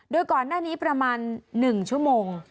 โดยก่อนหน้านี้ประมาณ๑ชั่วโมง